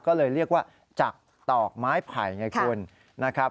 ก็เลยเรียกว่าจักตอกไม้ไผ่ไงคุณนะครับ